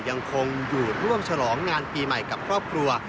ยังคงอยู่ร่วมฉลองงานปีใหม่กับครอบครัว